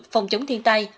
phòng chống thiên tai